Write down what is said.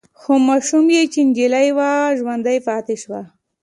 خو ماشوم يې چې نجلې وه ژوندۍ پاتې شوه.